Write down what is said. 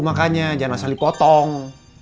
makanya jangan asal dipotong